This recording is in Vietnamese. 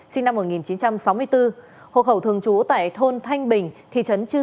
sinh năm một nghìn chín trăm sáu mươi bốn hộ khẩu thường trú tại thôn thanh bình